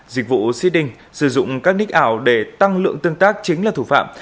dịch vụ ceng sử dụng các nick ảo để tăng lượng tương tác chính là thủ phạm